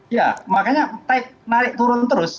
ya makanya naik turun terus